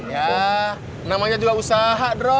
ya namanya juga usaha dro